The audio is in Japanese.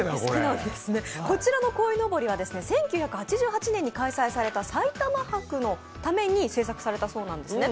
こちらのこいのぼりは１９８８年に開催されたさいたま博のために制作されたそうなんですね。